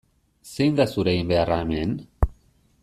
Zein da zure eginbeharra hemen?